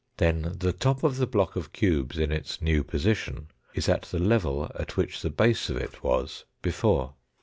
Then the top of the block of cubes in its new position is at the level at which the base of it was before.